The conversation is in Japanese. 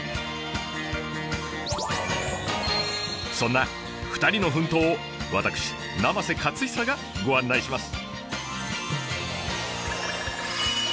そんな２人の奮闘を私生瀬勝久がご案内します。